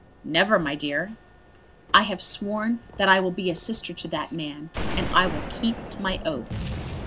"Never, my dear." "I have sworn that I will be a sister to that man, and I will keep my oath."